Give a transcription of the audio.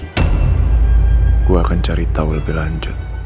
aku akan cari tahu lebih lanjut